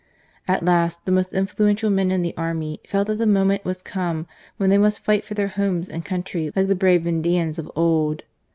At last, the most influential men in the army felt that the moment was come when they must fight for their homes and country like the brave Vendeans of old.